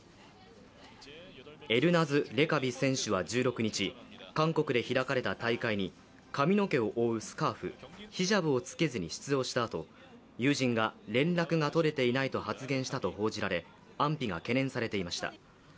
エルナズ・レカビ選手は１６日、韓国で開かれた大会に髪の毛を覆うスカーフ、ヒジャブを着けずに出場したあと友人が連絡がとれていないと発言したと報じられ安否が懸念されていました。